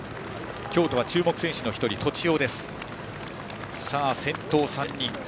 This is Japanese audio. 京都は注目選手の１人杤尾。